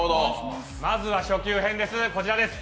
まずは初級編です、こちらです。